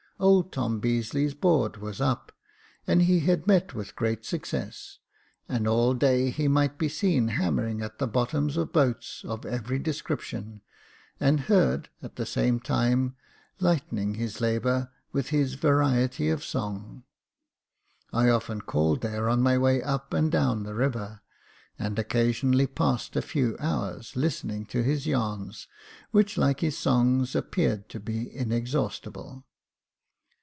Old Tom Beazeley's board was up, and he had met with great success ; and all day he might be seen hammering at the bottoms of boats of every description, and heard, at the same time, lightening his labour with his variety of song. I often called there on my way up and down the river, and occasionally passed a few hours, listening to his yarns, which, like his songs, appeared to be inexhaustible.